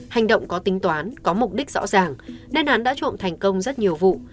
hành động có tính toán có mục đích rõ ràng nên án đã trộm thành công rất nhiều vụ